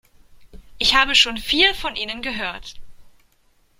Ich habe schon viel von Ihnen gehört.